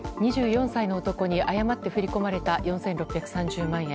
２４歳の男に誤って振り込まれた４６３０万円。